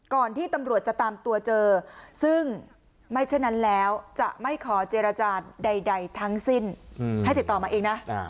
ที่ตำรวจจะตามตัวเจอซึ่งไม่เช่นนั้นแล้วจะไม่ขอเจรจาใดทั้งสิ้นให้ติดต่อมาเองนะ